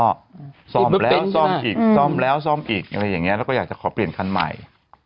ล๊อบแล้วซ่อม๓๑แล้วซ่อมอีกอย่างนี้แล้วก็อยากจะขอเปลี่ยนคันใหม่